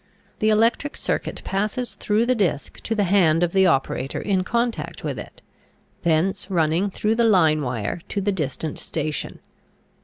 The electric circuit passes through the disk to the hand of the operator in contact with it, thence running through the line wire to the distant station.